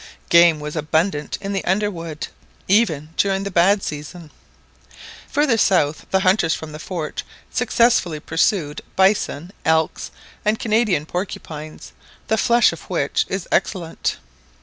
Game was abundant in the underwood, even during the bad season. Further south the hunters from the fort successfully pursued bisons, elks, and Canadian porcupines, the flesh of which is excellent.